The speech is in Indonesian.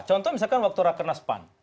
contoh misalkan waktu rakhir naspan